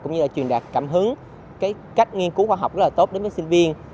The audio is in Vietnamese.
cũng như là truyền đạt cảm hứng cái cách nghiên cứu khoa học rất là tốt đến với sinh viên